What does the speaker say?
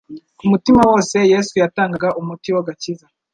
ku mutima wose Yesu yatangaga umuti w'agakiza.